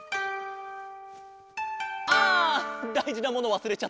あだいじなものわすれちゃった！